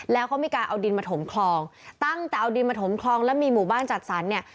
แล้วเขามีการเอาดินมาถมคลองตั้งแต่เอาดินมาถมคลองแล้วมีหมู่บ้านจัดสรรเนี่ย